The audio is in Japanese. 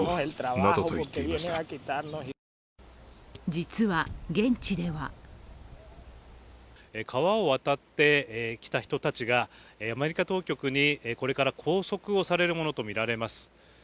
実は現地では川を渡ってきた人たちがアメリカ当局にこれから拘束をされるものとみられます。